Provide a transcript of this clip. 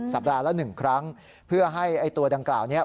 สัปดาห์แล้ว๑ครั้งเพื่อให้ตัวดังกล่าวนี้